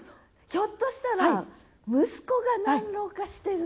ひょっとしたら息子が何浪かしてる？